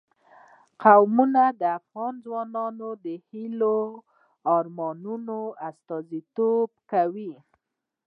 قومونه د افغان ځوانانو د هیلو او ارمانونو استازیتوب کوي.